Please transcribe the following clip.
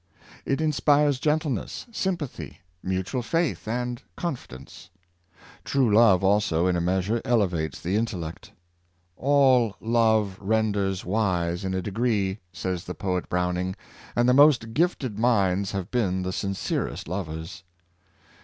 It inspires gentleness, sympathy, mutual faith, and confidence True love also, in a measure, elevates the intellect. "• All love renders wise in a degree," says the poet Browning, and the most gifted minds have been the sincerest lovers.